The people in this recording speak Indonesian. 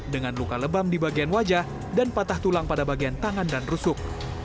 dengan luka lebam di bagian wajah dan patah tulang pada bagian tangan dan rusuk